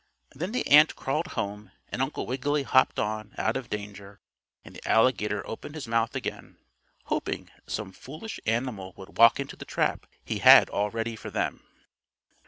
Then the ant crawled home, and Uncle Wiggily hopped on out of danger and the alligator opened his mouth again, hoping some foolish animal would walk into the trap he had all ready for them.